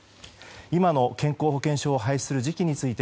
今の健康保険証を廃止する時期について